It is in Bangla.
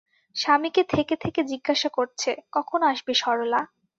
স্বামীকে থেকে থেকে জিজ্ঞাসা করছে, কখন আসবে সরলা।